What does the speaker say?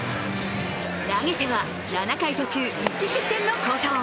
投げては、７回途中１失点の好投。